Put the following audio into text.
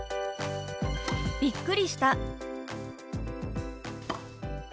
「びっくりした」。